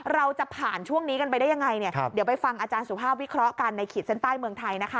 เราจะผ่านช่วงนี้กันไปได้ยังไงเนี่ยเดี๋ยวไปฟังอาจารย์สุภาพวิเคราะห์กันในขีดเส้นใต้เมืองไทยนะคะ